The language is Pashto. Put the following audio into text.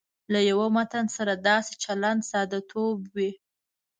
له یوه متن سره داسې چلند ساده توب وي.